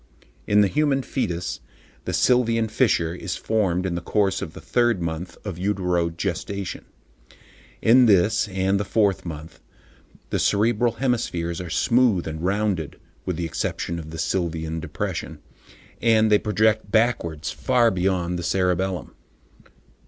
In the human foetus, the sylvian fissure is formed in the course of the third month of uterogestation. In this, and in the fourth month, the cerebral hemispheres are smooth and rounded (with the exception of the sylvian depression), and they project backwards far beyond the cerebellum.